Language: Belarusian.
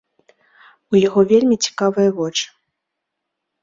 У яго вельмі цікавыя вочы.